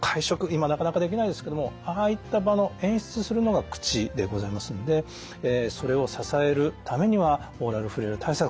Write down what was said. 今なかなかできないですけれどもああいった場の演出するのが口でございますのでそれを支えるためにはオーラルフレイル対策